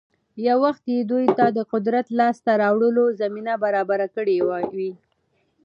يـو وخـت يـې دوي تـه د قـدرت لاس تـه راوړلـو زمـينـه بـرابـره کـړي وي.